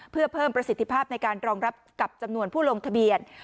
เพื่อเพิ่มประสิทธิภาพในการรองรับกับจำนวนผู้ลงทะเบียน